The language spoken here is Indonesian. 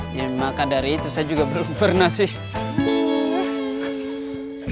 nah maka dari itu saya juga belum pernah sih